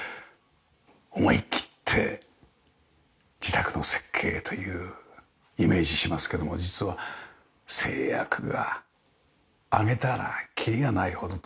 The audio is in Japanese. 思い切って自宅の設計というイメージしますけども実は制約が挙げたらキリがないほどとおっしゃってましたね。